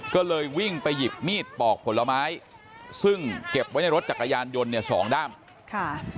ก็เลยวิ่งไปหยิบมีดปอกผลไม้ซึ่งเก็บไว้ในรถจักรยานยนต์เนี่ยสองด้ามค่ะ